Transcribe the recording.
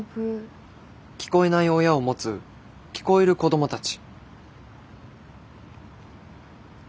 聞こえない親を持つ聞こえる子供たち。